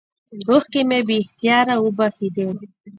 اوښکې مې بې اختياره وبهېدې.